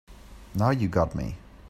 Now you got me.